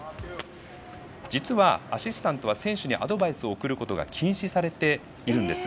実はアシスタントは選手にアドバイスを送ることが禁止されているんです。